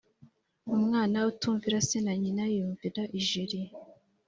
Umwana utumvira se na nyina yumvira ijeri.